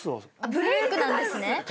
ブレイクなんですね！？